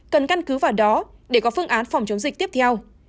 cần căn cứ vào đó để có phương án phòng chống dịch tiếp theo